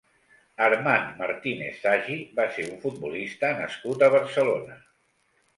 Armand Martínez Sagi va ser un futbolista nascut a Barcelona.